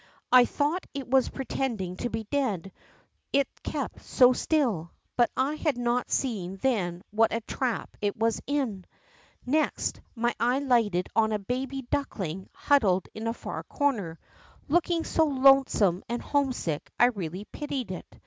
I thought it was pretending to he dead, it kept so still, hut I had not seen then what a trap it was in. ISText, my eye lighted on a baby duckling huddled in a far corner, looking so lonesome and homesick I really pitied it.